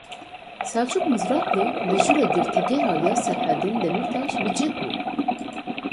Selçuk Mizrakli li jûra girtîgehê ya Selhadîn Demîrtaş bi cih bû.